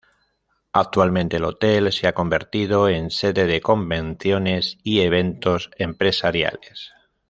Actualmente el hotel se ha convertido en sede de convenciones y eventos empresariales.